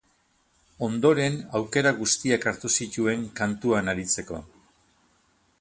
Ondoren, aukera guztiak hartu zituen kantuan aritzeko.